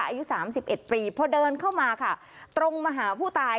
อายุสามสิบเอ็ดปีพอเดินเข้ามาค่ะตรงมาหาผู้ตาย